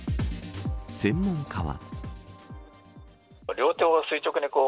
専門家は。